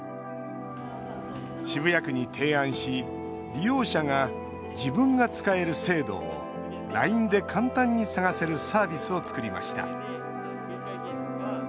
渋谷区に提案し利用者が自分が使える制度をＬＩＮＥで簡単に探せるサービスを作りました。